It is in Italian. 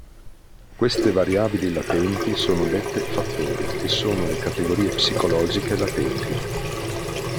Queste variabili latenti sono dette fattori e sono le categorie psicologiche latenti.